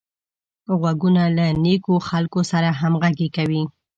غوږونه له نېکو خلکو سره همغږي کوي